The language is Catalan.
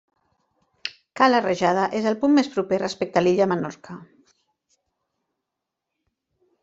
Cala Rajada és el punt més proper respecte l'illa Menorca.